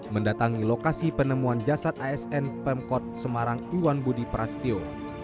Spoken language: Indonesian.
mendatangi lokasi penemuan jasad asn pemkot semarang iwan budi prastyo